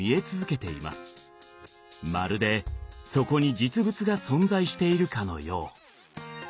まるでそこに実物が存在しているかのよう。